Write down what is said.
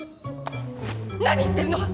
何言ってるの！